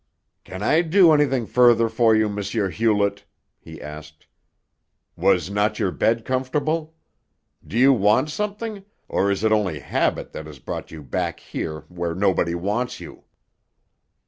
"Can I do anything further for you, M. Hewlett?" he asked. "Was not your bed comfortable? Do you want something, or is it only habit that has brought you back here where nobody wants you?"